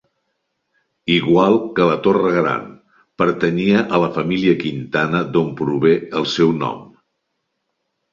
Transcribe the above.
Igual que la Torre Gran, pertanyia a la família Quintana d'on prové el seu nom.